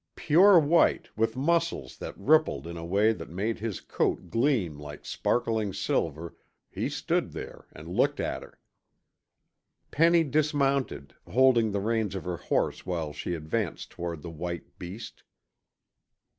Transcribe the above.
Pure white, with muscles that rippled in a way that made his coat gleam like sparkling silver, he stood there and looked at her. Penny dismounted, holding the reins of her horse while she advanced toward the white beast.